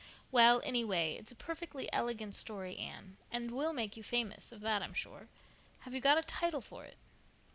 "Well, anyway, it's a perfectly elegant story, Anne, and will make you famous, of that I'm sure. Have you got a title for it?"